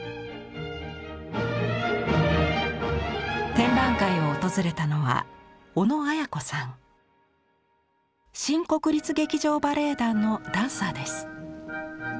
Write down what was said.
展覧会を訪れたのは新国立劇場バレエ団のダンサーです。